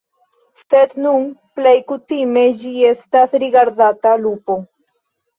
Sed nun plej kutime ĝi estas rigardata lupo.